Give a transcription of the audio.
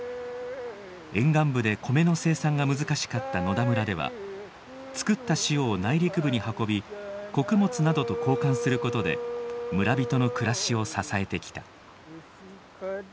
沿岸部で米の生産が難しかった野田村では作った塩を内陸部に運び穀物などと交換することで村人の暮らしを支えてきた。